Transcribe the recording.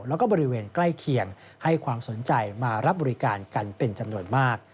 แล้วก็บริเวณใกล้เคียงให้ความสนใจมารับบริการกันเป็นจำนวนมาก